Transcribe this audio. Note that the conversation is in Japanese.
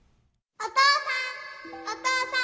お父さん！